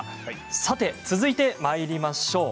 さて続いてまいりましょう。